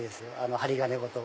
針金ごと。